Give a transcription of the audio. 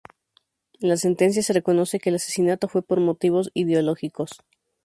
En la sentencia se reconoce que el asesinato fue por motivos ideológicos.